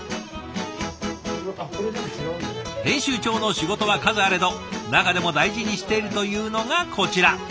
編集長の仕事は数あれど中でも大事にしているというのがこちら。